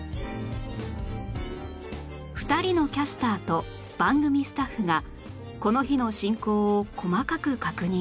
２人のキャスターと番組スタッフがこの日の進行を細かく確認